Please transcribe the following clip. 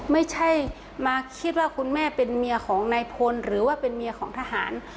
ไม่ใช่มาคิดว่าคุณแม่เป็นเมียของนายพลหรือว่าเป็นเมียของทหาร